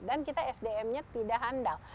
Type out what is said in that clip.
kita sdm nya tidak handal